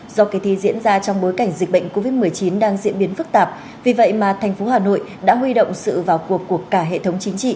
do kỳ thi diễn ra trong bối cảnh dịch bệnh covid một mươi chín đang diễn biến phức tạp vì vậy mà thành phố hà nội đã huy động sự vào cuộc của cả hệ thống chính trị